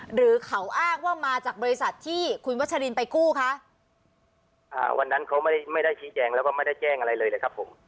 หรือเขาอ้างว่ามาจากบริษัทที่คุณวัชรินไปกู้คะอ่าวันนั้นเขาไม่ได้ไม่ได้ชี้แจงแล้วก็ไม่ได้แจ้งอะไรเลยนะครับผม